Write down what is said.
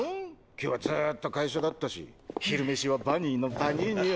今日はずーっと会社だったし昼メシはバニーのパニーニを。